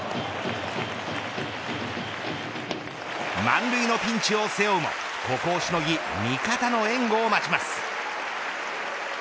満塁のピンチを背負うもここをしのぎ味方の援護を待ちます。